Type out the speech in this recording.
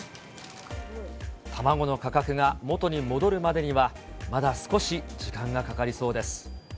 卵の価格が元に戻るまでには、まだ少し時間がかかりそうです。